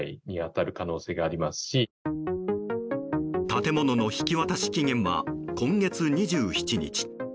建物の引き渡し期限は今月２７日。